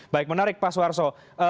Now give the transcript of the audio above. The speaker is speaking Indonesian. baik menarik pak swarso